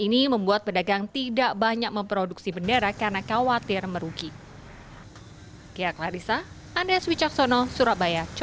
ini membuat pedagang tidak banyak memproduksi bendera karena khawatir merugi kia clarissa